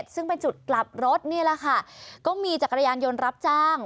ซึ่งเป็นจุดกลับรถนี่แหละค่ะก็มีจักรยานยนต์รับจ้าง